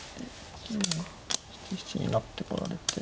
７七に成ってこられて。